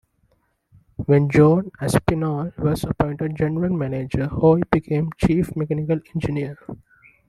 When John Aspinall was appointed General Manager, Hoy became Chief Mechanical Engineer.